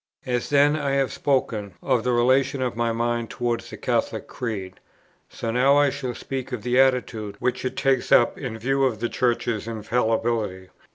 As then I have above spoken of the relation of my mind towards the Catholic Creed, so now I shall speak of the attitude which it takes up in the view of the Church's infallibility.